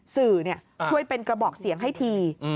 สื่อช่วยเป็นกระบอกเสียงให้ที